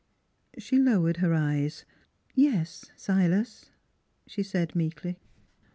'' She lowered her eyes. ' Yes, Silas," she said meekly.